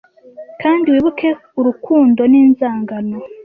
kandi wibuke urukundo n'inzangano